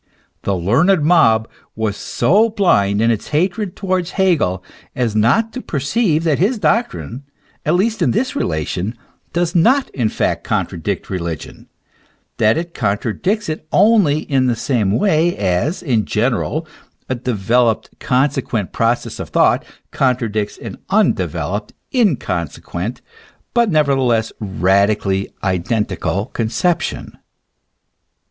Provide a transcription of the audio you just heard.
The learned mob was so blind in its hatred towards Hegel as not to perceive that his doctrine, at least in this relation, does not in fact contradict religion ; that it contradicts it only in the same way as, in general, a developed, consequent process of thought contradicts an undeveloped, inconsequent, but never theless radically identical conception.